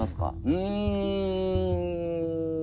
うん。